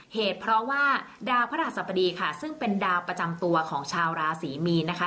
เหตุเพราะว่าดาวพระราชสัปดีค่ะซึ่งเป็นดาวประจำตัวของชาวราศรีมีนนะคะ